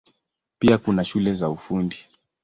Pia kuna shule za Ufundi.